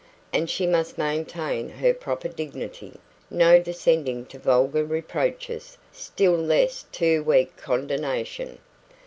And she must maintain her proper dignity. No descending to vulgar reproaches still less to weak condonation.